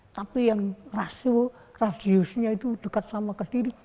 tapi yang rasio radiusnya itu dekat sama ke diri